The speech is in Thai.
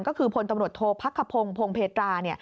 ก็คือพลตำรวจโทษพักขพงศ์พงเพตรา